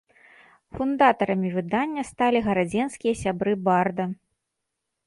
Фундатарамі выдання сталі гарадзенскія сябры барда.